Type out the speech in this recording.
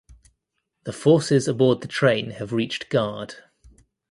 The forces aboard the train have reached Gard.